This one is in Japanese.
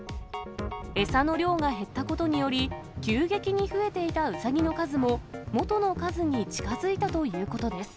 餌の量が減ったことにより、急激に増えていたウサギの数も、元の数に近づいたということです。